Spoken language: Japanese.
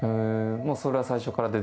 もうそれは最初から出てた？